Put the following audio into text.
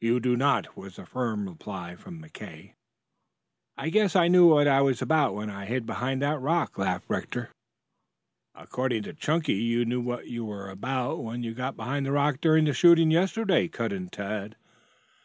"You do not!" was the firm reply from McKay. "I guess I knew what I was about when I hid behind that rock," laughed Rector. "According to Chunky, you knew what you were about when you got behind the rock during the shooting yesterday," cut in Tad.